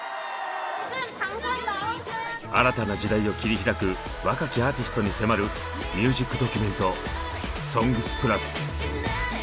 新たな時代を切り開く若きアーティストに迫るミュージックドキュメント「ＳＯＮＧＳ＋ＰＬＵＳ」。